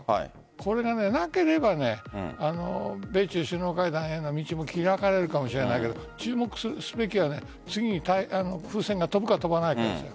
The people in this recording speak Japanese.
これがなければ米中首脳会談への道も開かれるかもしれないけど注目すべきは次に気球が飛ぶか飛ばないかですよ。